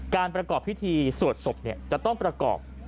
ประกอบพิธีสวดศพจะต้องประกอบ